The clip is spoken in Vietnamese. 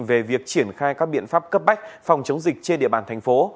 về việc triển khai các biện pháp cấp bách phòng chống dịch trên địa bàn thành phố